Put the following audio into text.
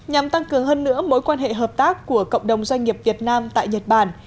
nhằm tăng cường hơn nữa mối quan hệ hợp tác của cộng đồng doanh nghiệp việt nam tại nhật bản